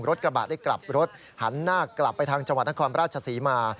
รถกระบะได้กลับรถหันหน้ากลับไปทางจคราชสีมา